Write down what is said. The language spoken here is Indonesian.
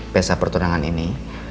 pesta pertunangan ini